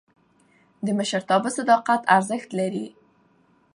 د مشرتابه صداقت ارزښت لري